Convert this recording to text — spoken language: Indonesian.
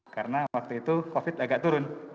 karena waktu itu covid agak turun